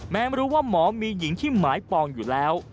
ไม่รู้ว่าหมอมีหญิงที่หมายปองอยู่แล้ว